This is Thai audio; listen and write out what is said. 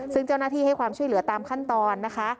ซึ่งเจ้าหน้าที่ให้ความช่วยเหลือตามขั้นตอนนะคะ